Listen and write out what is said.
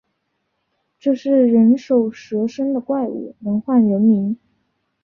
这是人首蛇身的怪物，能唤人名